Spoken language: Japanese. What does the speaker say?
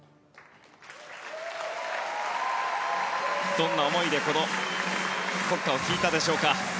どんな思いでこの国歌を聴いたでしょうか。